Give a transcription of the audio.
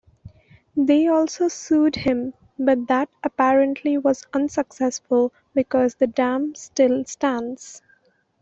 They also sued him, but that apparently was unsuccessful because the dam still stands.